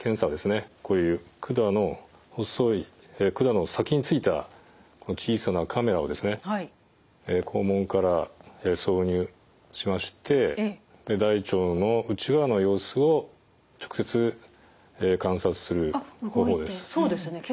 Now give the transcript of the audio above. こういう管の細い管の先についた小さなカメラを肛門から挿入しまして大腸の内側の様子を直接観察する方法です。